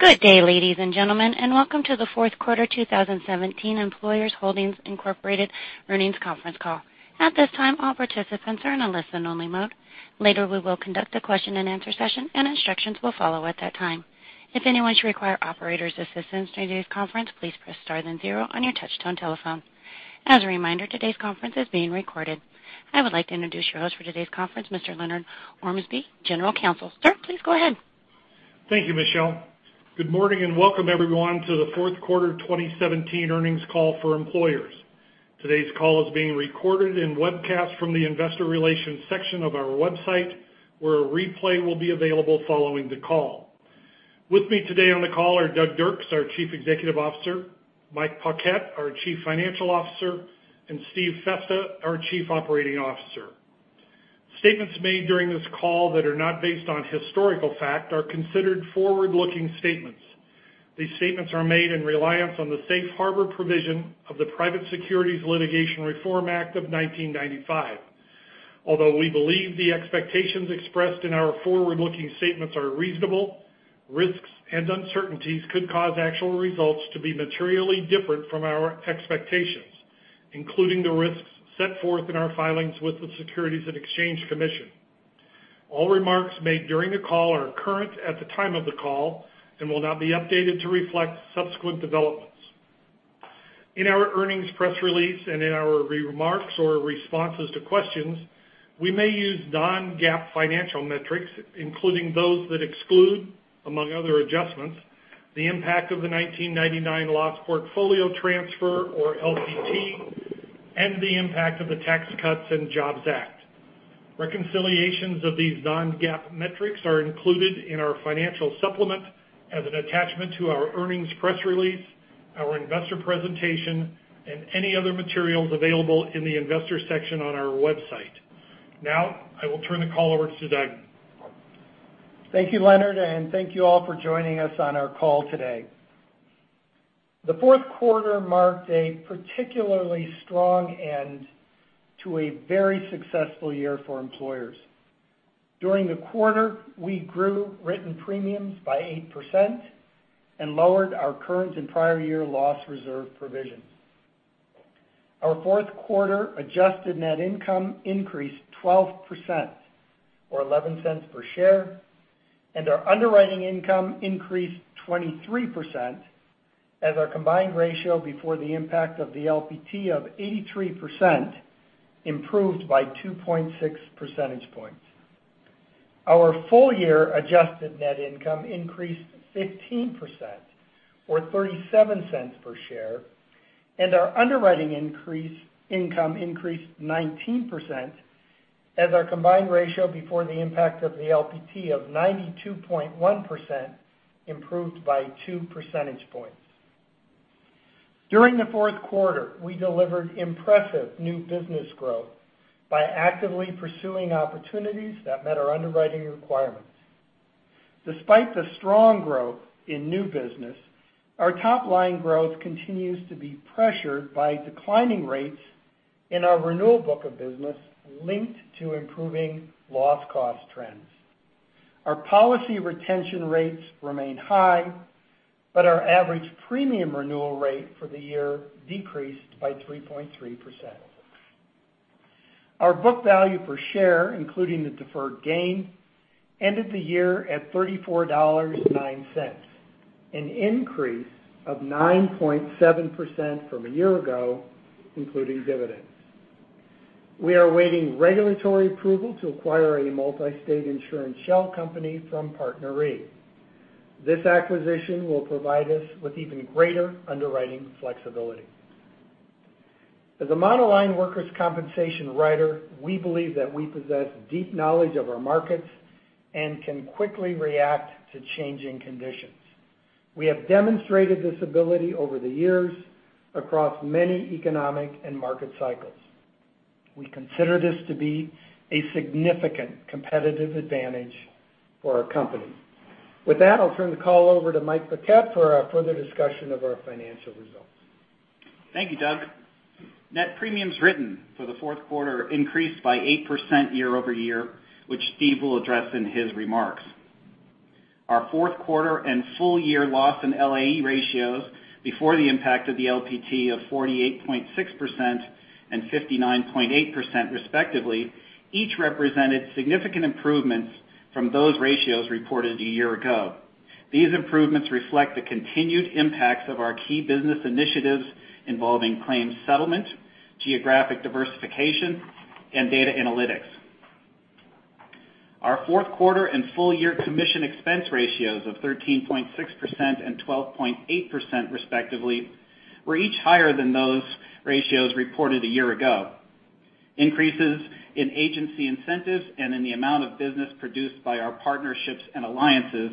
Good day, ladies and gentlemen, and welcome to the fourth quarter 2017 Employers Holdings, Inc. earnings conference call. At this time, all participants are in a listen-only mode. Later, we will conduct a question-and-answer session and instructions will follow at that time. If anyone should require operator's assistance during today's conference, please press star then 0 on your touch-tone telephone. As a reminder, today's conference is being recorded. I would like to introduce your host for today's conference, Mr. Lenard Ormsby, General Counsel. Sir, please go ahead. Thank you, Michelle. Good morning and welcome everyone to the fourth quarter 2017 earnings call for Employers. Today's call is being recorded and webcast from the investor relations section of our website, where a replay will be available following the call. With me today on the call are Doug Dirks, our Chief Executive Officer, Mike Paquette, our Chief Financial Officer, and Steve Festa, our Chief Operating Officer. Statements made during this call that are not based on historical fact are considered forward-looking statements. These statements are made in reliance on the safe harbor provision of the Private Securities Litigation Reform Act of 1995. Although we believe the expectations expressed in our forward-looking statements are reasonable, risks and uncertainties could cause actual results to be materially different from our expectations, including the risks set forth in our filings with the Securities and Exchange Commission. All remarks made during the call are current at the time of the call and will not be updated to reflect subsequent developments. In our earnings press release and in our remarks or responses to questions, we may use non-GAAP financial metrics, including those that exclude, among other adjustments, the impact of the 1999 Loss Portfolio Transfer, or LPT, and the impact of the Tax Cuts and Jobs Act. Reconciliations of these non-GAAP metrics are included in our financial supplement as an attachment to our earnings press release, our investor presentation, and any other materials available in the investor section on our website. Now, I will turn the call over to Doug. Thank you, Lenard, and thank you all for joining us on our call today. The fourth quarter marked a particularly strong end to a very successful year for Employers. During the quarter, we grew written premiums by 8% and lowered our current and prior year loss reserve provisions. Our fourth quarter adjusted net income increased 12%, or $0.11 per share, and our underwriting income increased 23%, as our combined ratio before the impact of the LPT of 83% improved by 2.6 percentage points. Our full year adjusted net income increased 15%, or $0.37 per share, and our underwriting income increased 19%, as our combined ratio before the impact of the LPT of 92.1% improved by two percentage points. During the fourth quarter, we delivered impressive new business growth by actively pursuing opportunities that met our underwriting requirements. Despite the strong growth in new business, our top-line growth continues to be pressured by declining rates in our renewal book of business linked to improving loss cost trends. Our policy retention rates remain high, but our average premium renewal rate for the year decreased by 3.3%. Our book value per share, including the deferred gain, ended the year at $34.09, an increase of 9.7% from a year ago, including dividends. We are awaiting regulatory approval to acquire a multi-state insurance shell company from PartnerRe. This acquisition will provide us with even greater underwriting flexibility. As a monoline Workers' compensation writer, we believe that we possess deep knowledge of our markets and can quickly react to changing conditions. We have demonstrated this ability over the years across many economic and market cycles. We consider this to be a significant competitive advantage for our company. With that, I'll turn the call over to Mike Paquette for a further discussion of our financial results. Thank you, Doug. Net premiums written for the fourth quarter increased by 8% year-over-year, which Steve will address in his remarks. Our fourth quarter and full year loss and LAE ratios before the impact of the LPT of 48.6% and 59.8% respectively, each represented significant improvements from those ratios reported a year ago. These improvements reflect the continued impacts of our key business initiatives involving claims settlement, geographic diversification, and data analytics. Our fourth quarter and full year commission expense ratios of 13.6% and 12.8% respectively, were each higher than those ratios reported a year ago. Increases in agency incentives and in the amount of business produced by our partnerships and alliances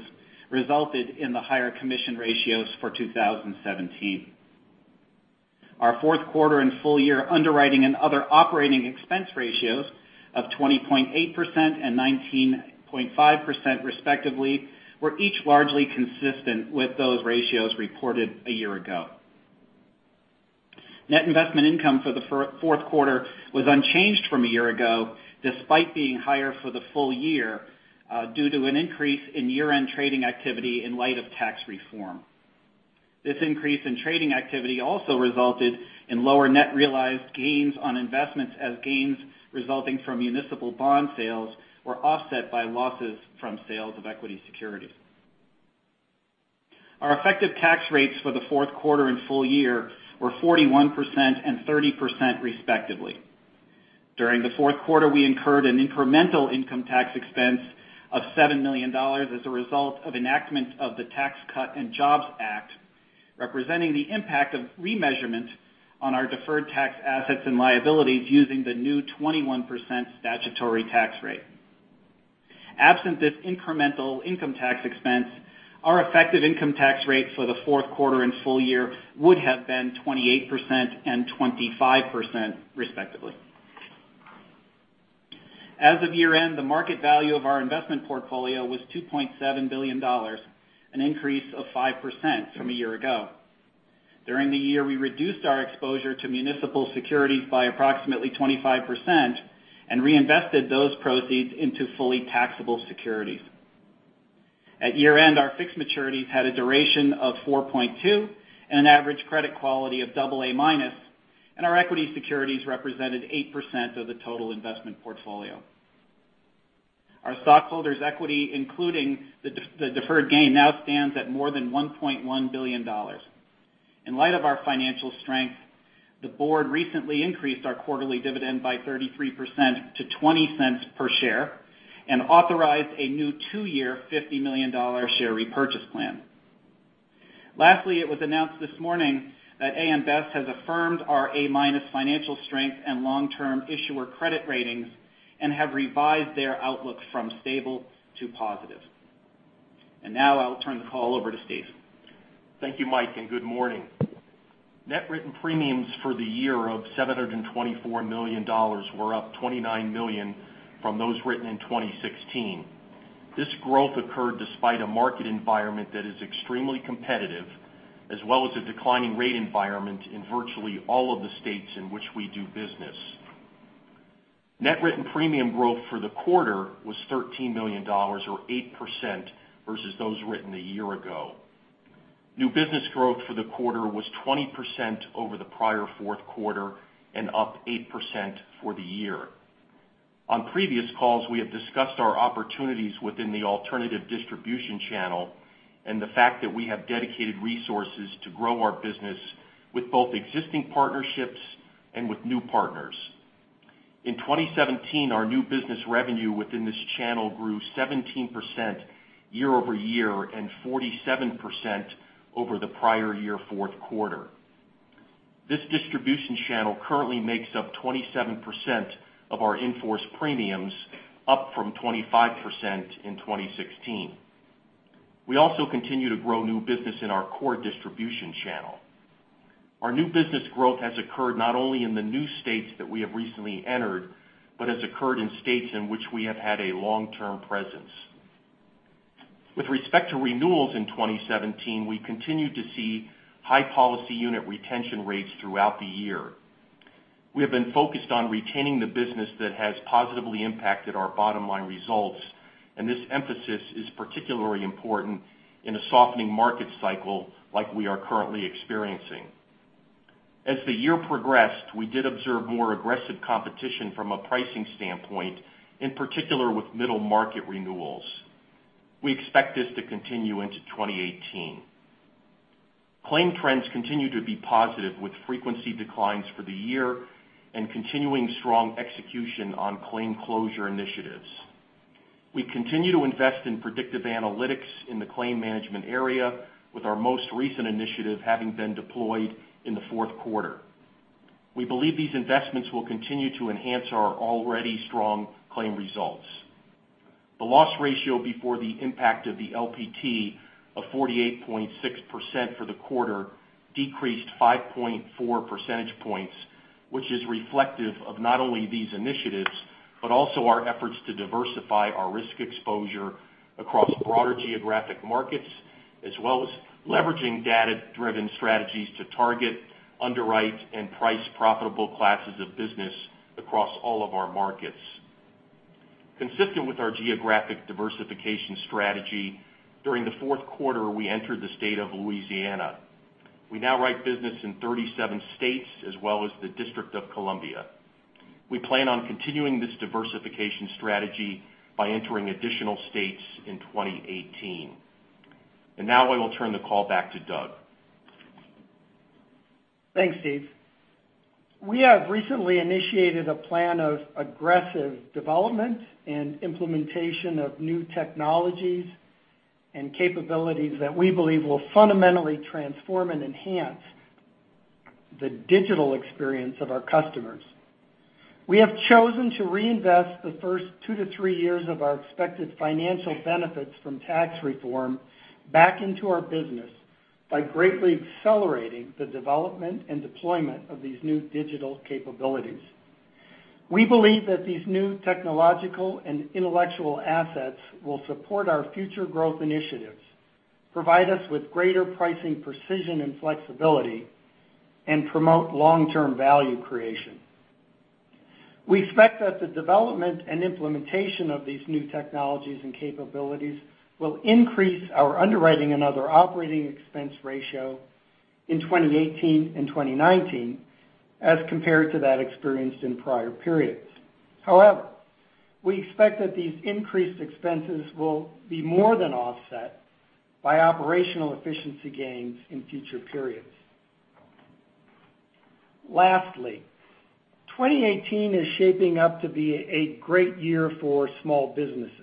resulted in the higher commission ratios for 2017. Our fourth quarter and full year underwriting and other operating expense ratios of 20.8% and 19.5% respectively, were each largely consistent with those ratios reported a year ago. Net investment income for the fourth quarter was unchanged from a year ago, despite being higher for the full year, due to an increase in year-end trading activity in light of tax reform. This increase in trading activity also resulted in lower net realized gains on investments as gains resulting from municipal bond sales were offset by losses from sales of equity securities. Our effective tax rates for the fourth quarter and full year were 41% and 30%, respectively. During the fourth quarter, we incurred an incremental income tax expense of $7 million as a result of enactment of the Tax Cuts and Jobs Act, representing the impact of remeasurement on our deferred tax assets and liabilities using the new 21% statutory tax rate. Absent this incremental income tax expense, our effective income tax rates for the fourth quarter and full year would have been 28% and 25%, respectively. As of year-end, the market value of our investment portfolio was $2.7 billion, an increase of 5% from a year ago. During the year, we reduced our exposure to municipal securities by approximately 25% and reinvested those proceeds into fully taxable securities. At year-end, our fixed maturities had a duration of 4.2 and an average credit quality of double A-minus, and our equity securities represented 8% of the total investment portfolio. Our stockholders' equity, including the deferred gain, now stands at more than $1.1 billion. In light of our financial strength, the board recently increased our quarterly dividend by 33% to $0.20 per share and authorized a new 2-year, $50 million share repurchase plan. Lastly, it was announced this morning that AM Best has affirmed our A-minus financial strength and long-term issuer credit ratings and have revised their outlook from stable to positive. Now I'll turn the call over to Steve. Thank you, Mike, and good morning. Net written premiums for the year of $724 million were up $29 million from those written in 2016. This growth occurred despite a market environment that is extremely competitive, as well as a declining rate environment in virtually all of the states in which we do business. Net written premium growth for the quarter was $13 million, or 8%, versus those written a year ago. New business growth for the quarter was 20% over the prior fourth quarter and up 8% for the year. On previous calls, we have discussed our opportunities within the alternative distribution channel and the fact that we have dedicated resources to grow our business with both existing partnerships and with new partners. In 2017, our new business revenue within this channel grew 17% year-over-year and 47% over the prior year fourth quarter. This distribution channel currently makes up 27% of our in-force premiums, up from 25% in 2016. We also continue to grow new business in our core distribution channel. Our new business growth has occurred not only in the new states that we have recently entered, but has occurred in states in which we have had a long-term presence. With respect to renewals in 2017, we continued to see high policy unit retention rates throughout the year. We have been focused on retaining the business that has positively impacted our bottom-line results, and this emphasis is particularly important in a softening market cycle like we are currently experiencing. As the year progressed, we did observe more aggressive competition from a pricing standpoint, in particular with middle-market renewals. We expect this to continue into 2018. Claim trends continue to be positive with frequency declines for the year and continuing strong execution on claim closure initiatives. We continue to invest in predictive analytics in the claim management area, with our most recent initiative having been deployed in the fourth quarter. We believe these investments will continue to enhance our already strong claim results. The loss ratio before the impact of the LPT of 48.6% for the quarter decreased 5.4 percentage points, which is reflective of not only these initiatives, but also our efforts to diversify our risk exposure across broader geographic markets, as well as leveraging data-driven strategies to target, underwrite, and price profitable classes of business across all of our markets. Consistent with our geographic diversification strategy, during the fourth quarter, we entered the state of Louisiana. We now write business in 37 states as well as the District of Columbia. We plan on continuing this diversification strategy by entering additional states in 2018. Now I will turn the call back to Doug. Thanks, Steve. We have recently initiated a plan of aggressive development and implementation of new technologies and capabilities that we believe will fundamentally transform and enhance the digital experience of our customers. We have chosen to reinvest the first two to three years of our expected financial benefits from tax reform back into our business by greatly accelerating the development and deployment of these new digital capabilities. We believe that these new technological and intellectual assets will support our future growth initiatives, provide us with greater pricing precision and flexibility, and promote long-term value creation. We expect that the development and implementation of these new technologies and capabilities will increase our underwriting and other operating expense ratio in 2018 and 2019 as compared to that experienced in prior periods. However, we expect that these increased expenses will be more than offset by operational efficiency gains in future periods. Lastly, 2018 is shaping up to be a great year for small businesses,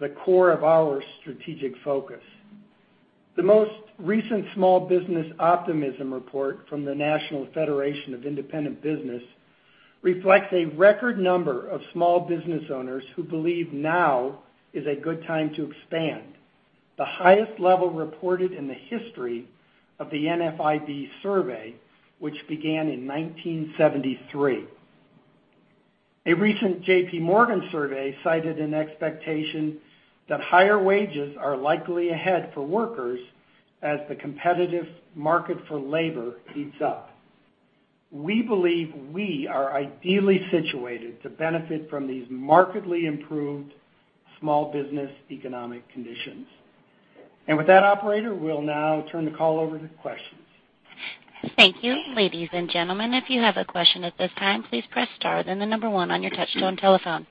the core of our strategic focus. The most recent small business optimism report from the National Federation of Independent Business reflects a record number of small business owners who believe now is a good time to expand, the highest level reported in the history of the NFIB survey, which began in 1973. A recent JP Morgan survey cited an expectation that higher wages are likely ahead for workers as the competitive market for labor heats up. We believe we are ideally situated to benefit from these markedly improved small business economic conditions. With that, operator, we'll now turn the call over to questions. Thank you. Ladies and gentlemen, if you have a question at this time, please press star then the number one on your touchtone telephone.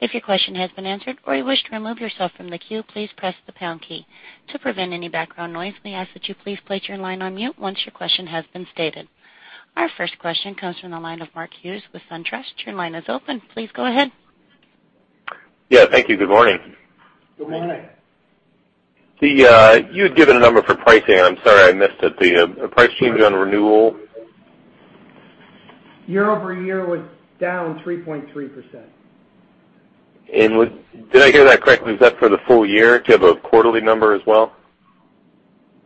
If your question has been answered or you wish to remove yourself from the queue, please press the pound key. To prevent any background noise, may I ask that you please place your line on mute once your question has been stated. Our first question comes from the line of Mark Hughes with SunTrust. Your line is open. Please go ahead. Yeah, thank you. Good morning. Good morning. You had given a number for pricing. I'm sorry I missed it. The price change on renewal. Year-over-year was down 3.3%. Did I hear that correctly? Is that for the full year? Do you have a quarterly number as well?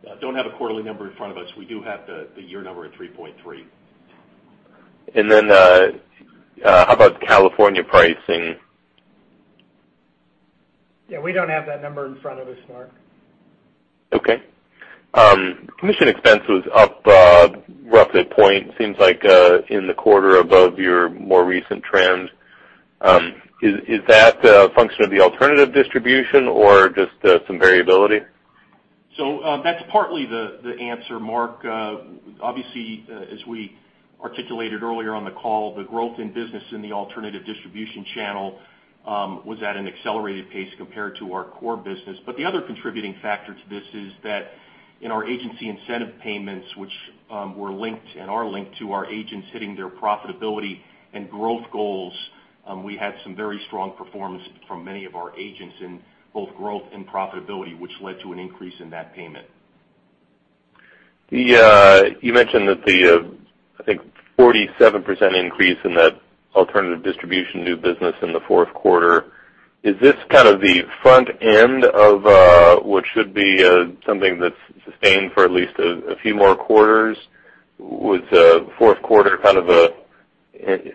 I don't have a quarterly number in front of us. We do have the year number at 3.3%. How about California pricing? Yeah, we don't have that number in front of us, Mark. Okay. Commission expense was up, roughly a point, seems like, in the quarter above your more recent trend. Is that a function of the alternative distribution or just some variability? That's partly the answer, Mark. Obviously, as we articulated earlier on the call, the growth in business in the alternative distribution channel was at an accelerated pace compared to our core business. The other contributing factor to this is that in our agency incentive payments, which were linked and are linked to our agents hitting their profitability and growth goals, we had some very strong performance from many of our agents in both growth and profitability, which led to an increase in that payment. You mentioned that the, I think, 47% increase in that alternative distribution new business in the fourth quarter. Is this kind of the front end of what should be something that's sustained for at least a few more quarters? Was the fourth quarter kind of a,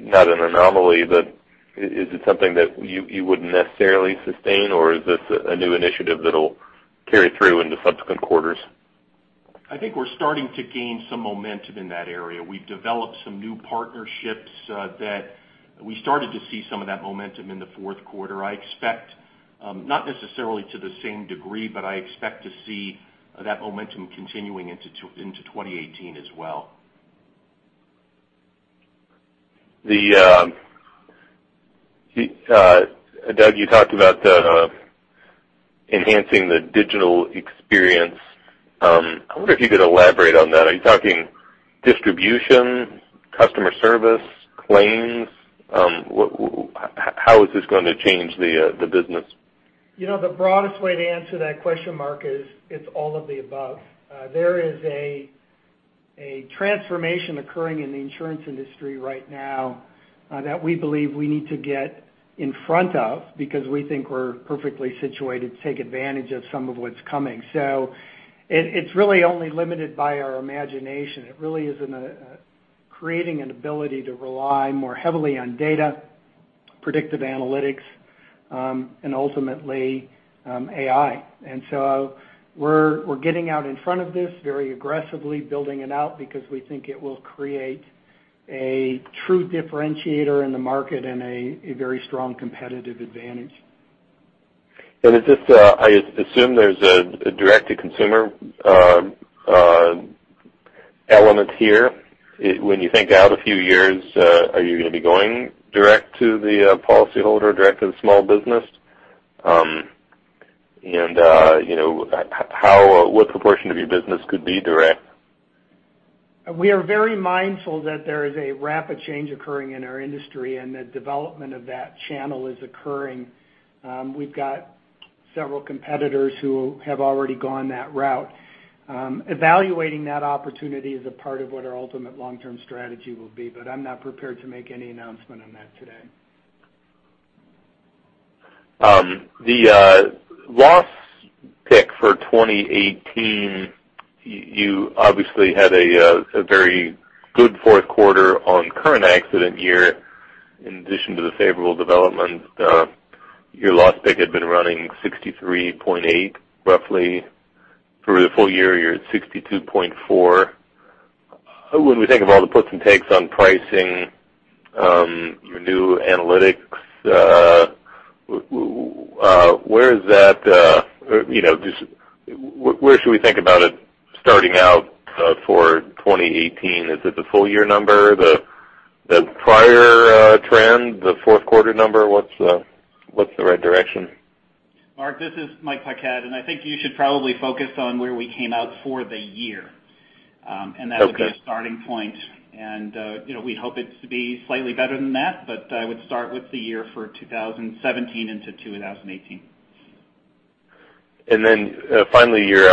not an anomaly, but is it something that you wouldn't necessarily sustain, or is this a new initiative that'll carry through into subsequent quarters? I think we're starting to gain some momentum in that area. We've developed some new partnerships that we started to see some of that momentum in the fourth quarter. I expect, not necessarily to the same degree, but I expect to see that momentum continuing into 2018 as well. Doug, you talked about enhancing the digital experience. I wonder if you could elaborate on that. Are you talking distribution, customer service, claims? How is this going to change the business? The broadest way to answer that question, Mark, is it's all of the above. There is a transformation occurring in the insurance industry right now that we believe we need to get in front of because we think we're perfectly situated to take advantage of some of what's coming. It's really only limited by our imagination. It really is creating an ability to rely more heavily on data, predictive analytics, and ultimately, AI. We're getting out in front of this very aggressively, building it out because we think it will create a true differentiator in the market and a very strong competitive advantage. I assume there's a direct-to-consumer element here. When you think out a few years, are you going to be going direct to the policyholder or direct to the small business? What proportion of your business could be direct? We are very mindful that there is a rapid change occurring in our industry, the development of that channel is occurring. We've got several competitors who have already gone that route. Evaluating that opportunity is a part of what our ultimate long-term strategy will be, I'm not prepared to make any announcement on that today. The loss pick for 2018, you obviously had a very good fourth quarter on current accident year in addition to the favorable development. Your loss pick had been running 63.8 roughly. For the full year, you're at 62.4. When we think of all the puts and takes on pricing, your new analytics, where should we think about it starting out for 2018? Is it the full year number, the prior trend, the fourth quarter number? What's the right direction? Mark, this is Michael Paquette, I think you should probably focus on where we came out for the year. Okay. That would be a starting point. We hope it's to be slightly better than that, but I would start with the year for 2017 into 2018. Finally, your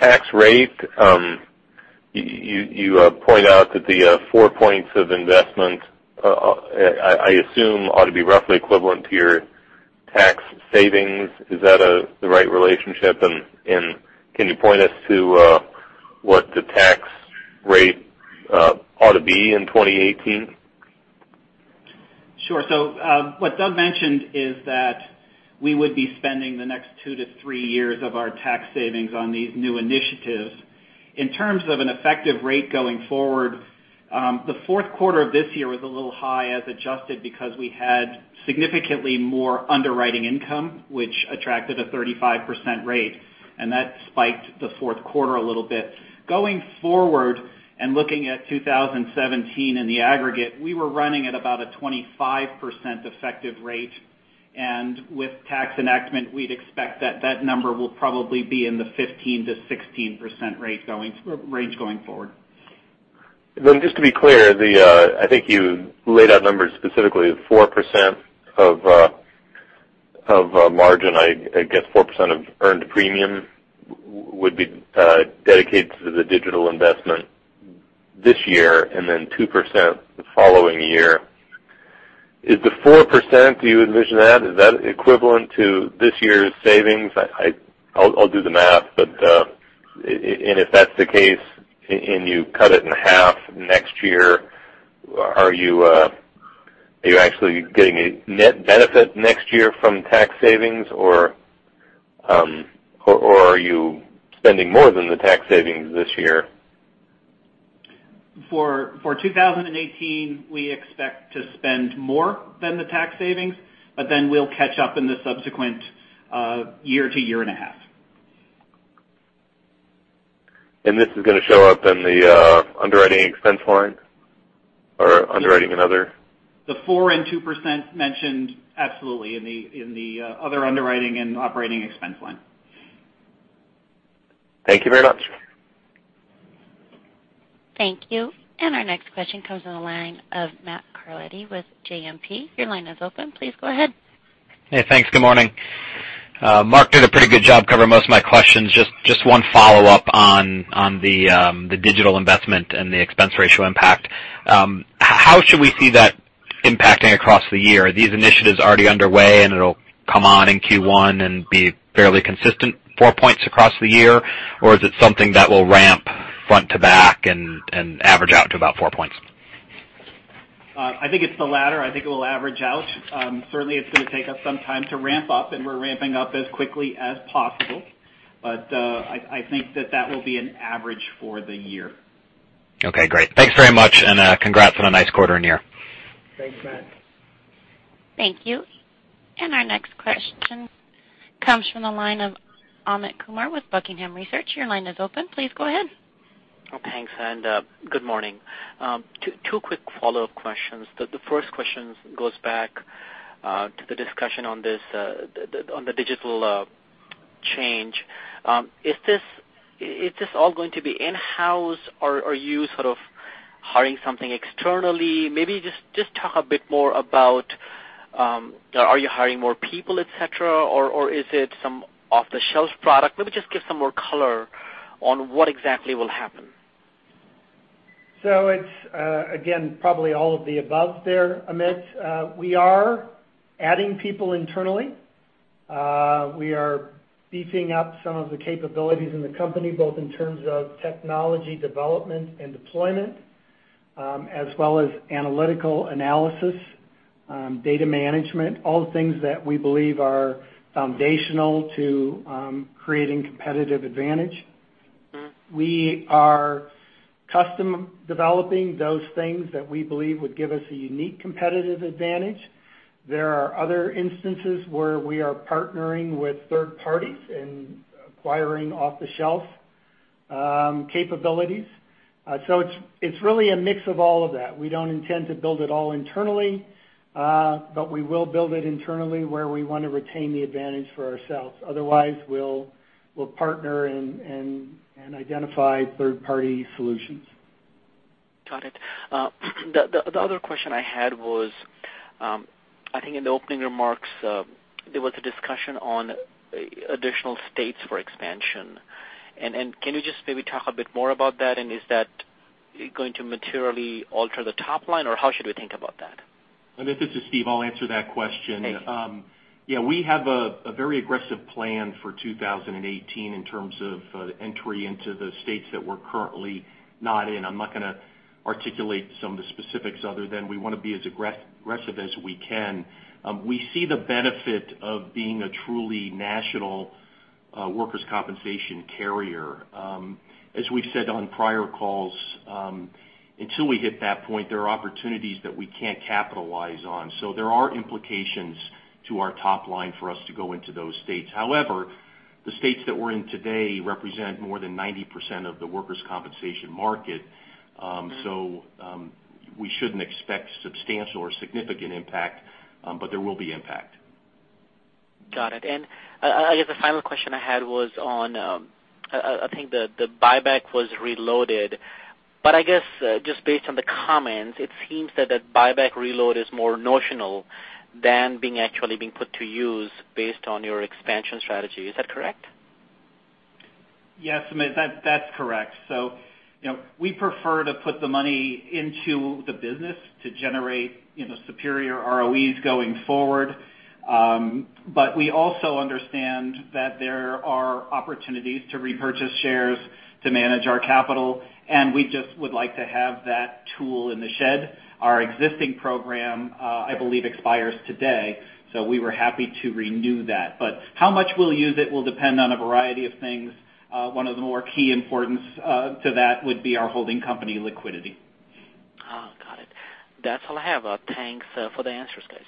tax rate. You point out that the four points of investment, I assume ought to be roughly equivalent to your tax savings. Is that the right relationship, and can you point us to what the tax rate ought to be in 2018? Sure. What Doug mentioned is that we would be spending the next two to three years of our tax savings on these new initiatives. In terms of an effective rate going forward, the fourth quarter of this year was a little high as adjusted because we had significantly more underwriting income, which attracted a 35% rate, and that spiked the fourth quarter a little bit. Going forward and looking at 2017 in the aggregate, we were running at about a 25% effective rate. With tax enactment, we'd expect that number will probably be in the 15%-16% range going forward. Just to be clear, I think you laid out numbers specifically of 4% of margin. I guess 4% of earned premium would be dedicated to the digital investment this year, and then 2% the following year. Is the 4%, do you envision that, is that equivalent to this year's savings? I'll do the math. If that's the case, and you cut it in half next year, are you actually getting a net benefit next year from tax savings, or are you spending more than the tax savings this year? For 2018, we expect to spend more than the tax savings. We'll catch up in the subsequent year to year and a half. This is going to show up in the underwriting expense line or underwriting and other? The 4% and 2% mentioned absolutely in the other underwriting and operating expense line. Thank you very much. Thank you. Our next question comes on the line of Matt Carletti with JMP. Your line is open. Please go ahead. Hey, thanks. Good morning. Mark did a pretty good job covering most of my questions. Just one follow-up on the digital investment and the expense ratio impact. How should we see that impacting across the year? Are these initiatives already underway, and it will come on in Q1 and be fairly consistent four points across the year? Or is it something that will ramp front to back and average out to about four points? I think it is the latter. I think it will average out. Certainly, it is going to take us some time to ramp up, and we are ramping up as quickly as possible. I think that that will be an average for the year. Okay, great. Thanks very much. Congrats on a nice quarter and year. Thanks, Matt. Thank you. Our next question comes from the line of Amit Kumar with Buckingham Research. Your line is open. Please go ahead. Thanks, good morning. Two quick follow-up questions. The first question goes back to the discussion on the digital change. Is this all going to be in-house, or are you sort of hiring something externally? Maybe just talk a bit more about are you hiring more people, et cetera, or is it some off-the-shelf product? Maybe just give some more color on what exactly will happen. It's, again, probably all of the above there, Amit. We are adding people internally. We are beefing up some of the capabilities in the company, both in terms of technology development and deployment, as well as analytical analysis, data management, all the things that we believe are foundational to creating competitive advantage. We are custom developing those things that we believe would give us a unique competitive advantage. There are other instances where we are partnering with third parties and acquiring off-the-shelf capabilities. It's really a mix of all of that. We don't intend to build it all internally, but we will build it internally where we want to retain the advantage for ourselves. Otherwise, we'll partner and identify third-party solutions. Got it. The other question I had was I think in the opening remarks, there was a discussion on additional states for expansion. Can you just maybe talk a bit more about that, and is that going to materially alter the top line, or how should we think about that? Amit, this is Steve, I'll answer that question. Thank you. Yeah, we have a very aggressive plan for 2018 in terms of the entry into the states that we're currently not in. I'm not going to articulate some of the specifics other than we want to be as aggressive as we can. We see the benefit of being a truly national workers' compensation carrier. As we've said on prior calls, until we hit that point, there are opportunities that we can't capitalize on. There are implications to our top line for us to go into those states. However, the states that we're in today represent more than 90% of the workers' compensation market. We shouldn't expect substantial or significant impact, but there will be impact. Got it. I guess the final question I had was on, I think the buyback was reloaded, but I guess just based on the comments, it seems that that buyback reload is more notional than being actually being put to use based on your expansion strategy. Is that correct? Yes, Amit, that's correct. We prefer to put the money into the business to generate superior ROEs going forward. We also understand that there are opportunities to repurchase shares to manage our capital, and we just would like to have that tool in the shed. Our existing program, I believe, expires today, so we were happy to renew that. How much we'll use it will depend on a variety of things. One of the more key importance to that would be our holding company liquidity. Oh, got it. That's all I have. Thanks for the answers, guys.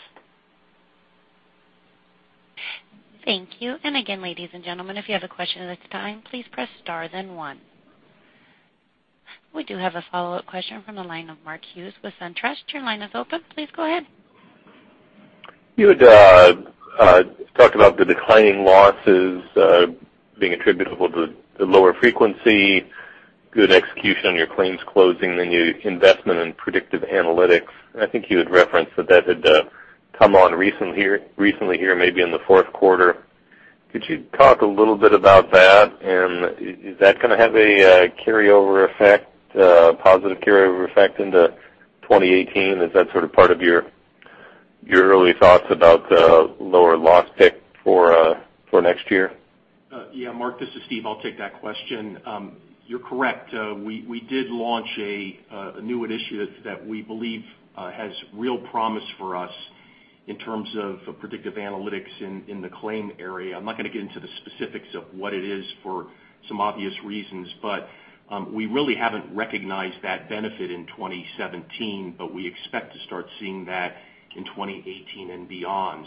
Thank you. Again, ladies and gentlemen, if you have a question at this time, please press star then one. We do have a follow-up question from the line of Mark Hughes with SunTrust. Your line is open. Please go ahead. You had talked about the declining losses being attributable to the lower frequency, good execution on your claims closing, and your investment in predictive analytics. I think you had referenced that that had come on recently here, maybe in the fourth quarter. Could you talk a little bit about that? Is that going to have a positive carryover effect into 2018? Is that sort of part of your early thoughts about lower loss pick for next year? Mark, this is Steve. I'll take that question. You're correct. We did launch a new initiative that we believe has real promise for us in terms of predictive analytics in the claim area. I'm not going to get into the specifics of what it is for some obvious reasons, but we really haven't recognized that benefit in 2017, but we expect to start seeing that in 2018 and beyond.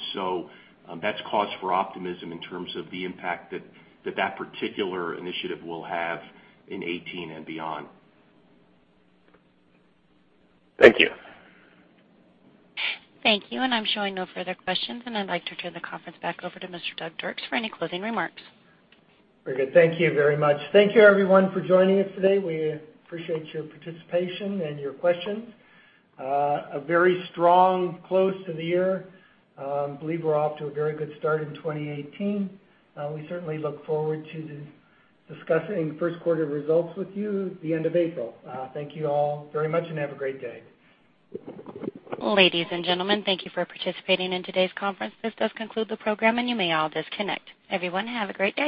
That's cause for optimism in terms of the impact that that particular initiative will have in 2018 and beyond. Thank you. Thank you. I'm showing no further questions, I'd like to turn the conference back over to Mr. Doug Dirks for any closing remarks. Very good. Thank you very much. Thank you, everyone, for joining us today. We appreciate your participation and your questions. A very strong close to the year. Believe we're off to a very good start in 2018. We certainly look forward to discussing first quarter results with you at the end of April. Thank you all very much, and have a great day. Ladies and gentlemen, thank you for participating in today's conference. This does conclude the program, and you may all disconnect. Everyone, have a great day.